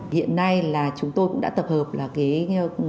hiện nay là chúng tôi cũng đã tập hợp là cái